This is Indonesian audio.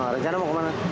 rencana mau ke mana